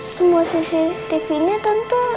semua cctv nya tentu